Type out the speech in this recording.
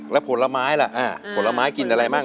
แล้วผลไม้ล่ะผลไม้กินอะไรมั่ง